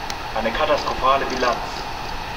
Eine katastrophale Bilanz!